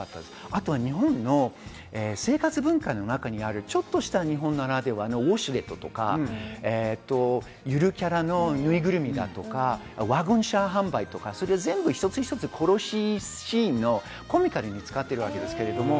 あとは日本の生活文化の中にある、ちょっとした日本ならではのウォシュレットとか、ゆるキャラのぬいぐるみだとか、ワゴン車販売とか、それを全部一つ一つ殺しシーンでコミカルに使っています。